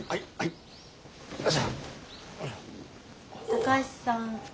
高橋さん